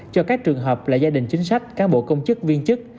cho các trường hợp là gia đình chính sách cán bộ công chức viên chức